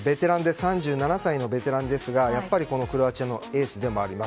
３７歳のベテランですがこのクロアチアのエースでもあります。